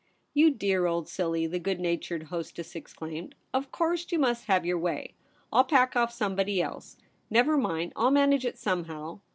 * You dear old silly !' the good natured hostess exclaimed, * of course you must have your way. I'll pack off somebody else. Never mind ; I'll manage it somehow.